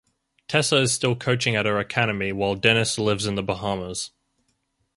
Tessa is still coaching at her Academy while Denis lives in the Bahamas.